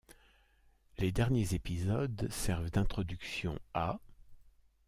Les derniers épisodes servent d'introduction à '.